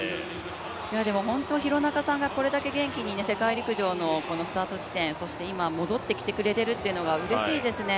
でも廣中さんがこれだけ元気に世界陸上のスタート地点、そして今戻ってきてくれているというのが、うれしいですね。